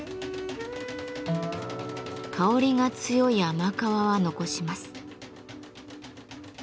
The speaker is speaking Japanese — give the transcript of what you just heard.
香りが強い甘皮は残します。